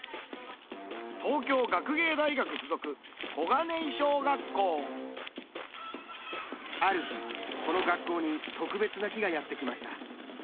東京学芸大学附属小金井小学校ある日この学校に特別な木がやって来ました。